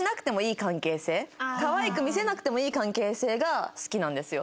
かわいく見せなくてもいい関係性が好きなんですよ。